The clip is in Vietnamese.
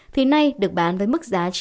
thì nay được bán với mức giá